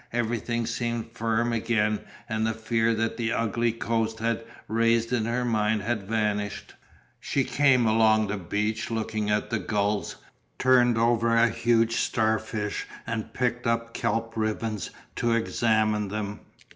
Everything seemed firm again and the fear that the ugly coast had raised in her mind had vanished. She came along the beach looking at the gulls, turned over huge star fish and picked up kelp ribbons to examine them.